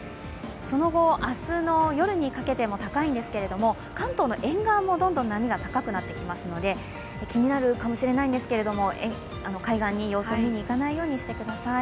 その後、明日の夜にかけても高いんですけれども関東の沿岸もどんどん波が高くなってきますので、気になるかもしれないんですけれども、海岸に様子を見に行かないようにしてください。